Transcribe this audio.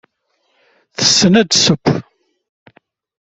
Tessen ad tesseww.